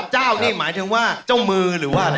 เจ้านี่หมายถึงว่าเจ้ามือหรือว่าอะไร